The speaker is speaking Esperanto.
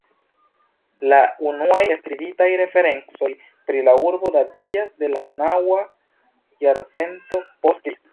La unuaj skribitaj referencoj pri la urbo datiĝas de la naŭa jarcento post Kristo.